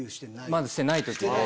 まだしてない時で。